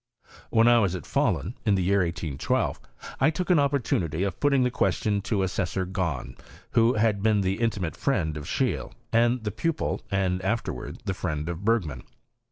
When I was at Fahlun, in the year 1812, 1 took an opportunity of putting the question to Assessor Gahn, who had been the intimate friend of Scheele, and the pupil, and afterwards the friend of Bergman.